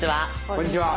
こんにちは。